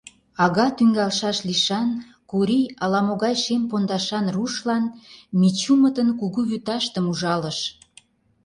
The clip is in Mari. Ага тӱҥалшаш лишан Курий ала-могай шем пондашан рушлан Мичумытын кугу вӱташтым ужалыш.